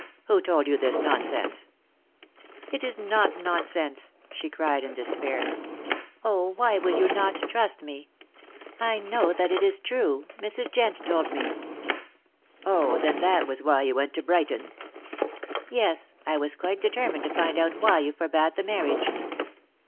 "Who told you this nonsense?" "It is not nonsense," she cried in despair. "Oh, why will you not trust me? I know that it is true. Mrs. Jent told me." "Oh! Then that was why you went to Brighton?" "Yes. I was quite determined to find out why you forbade the marriage."